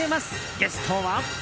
ゲストは。